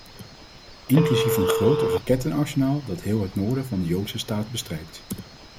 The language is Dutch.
Inclusief een groot rakettenarsenaal dat heel het noorden van de joodse staat bestrijkt.